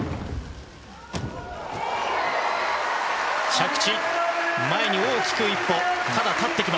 着地、前に大きく１歩。